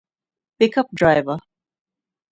ޕިކަޕް ޑްރައިވަރ